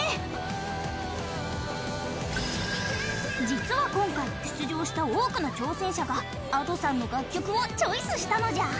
実は今回出場した多くの挑戦者がＡｄｏさんの楽曲をチョイスしたのじゃ！